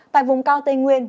tại vùng cao tây nguyên